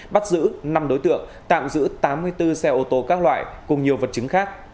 bắt giữ năm đối tượng tạm giữ tám mươi bốn xe ô tô các loại cùng nhiều vật chứng khác